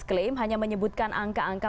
klaim hanya menyebutkan angka angka